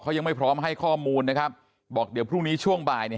เขายังไม่พร้อมให้ข้อมูลนะครับบอกเดี๋ยวพรุ่งนี้ช่วงบ่ายเนี่ย